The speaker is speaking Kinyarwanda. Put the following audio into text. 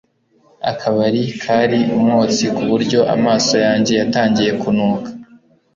Akabari kari umwotsi kuburyo amaso yanjye yatangiye kunuka